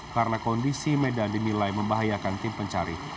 karena kondisi medan dinilai membahayakan tim pencarian